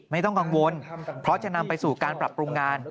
ไม่ต้องกังวลเพราะจะนำไปสู่การปรับปรุงงาน